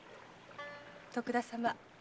徳田様